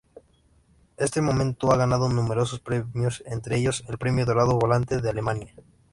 Este modelo ha ganado numerosos premios, entre ellos el "Premio Dorado Volante" de Alemania.